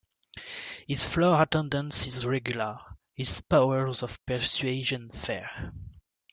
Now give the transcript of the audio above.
His floor attendance is regular, his powers of persuasion, fair.